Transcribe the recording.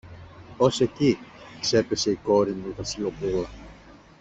Ως εκεί ξέπεσε η κόρη μου η Βασιλοπούλα;